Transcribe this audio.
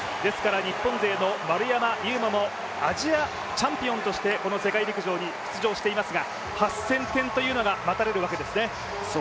日本勢の丸山優真もアジアチャンピオンとしてこの世界陸上に出場していますが８０００点というのが待たれるわけですね。